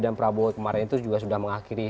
dan prabowo kemarin itu juga sudah mengakhiri